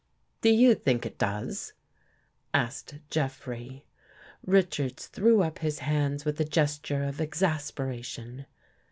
" "Do you think it does?" asked Jeffrey. Richards threw up his hands with a gesture of ex asperation.